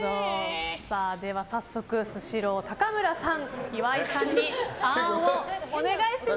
では早速スシロー、高村さん岩井さんにあーんをお願いします。